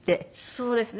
そうですね。